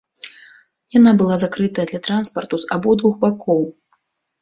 Яна была закрытая для транспарту з абодвух бакоў.